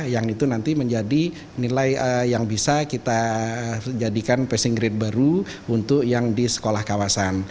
yang itu nanti menjadi nilai yang bisa kita jadikan passing grade baru untuk yang di sekolah kawasan